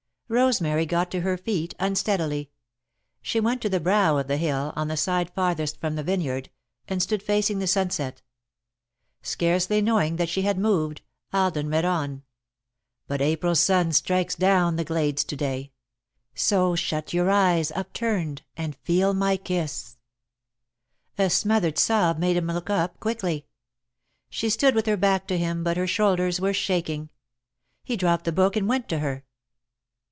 Rosemary got to her feet unsteadily. She went to the brow of the hill, on the side farthest from the vineyard, and stood facing the sunset. Scarcely knowing that she had moved, Alden read on: "But April's sun strikes down the glades to day; So shut your eyes upturned, and feel my kiss " [Sidenote: Alden Speaks] A smothered sob made him look up quickly. She stood with her back to him, but her shoulders were shaking. He dropped the book and went to her.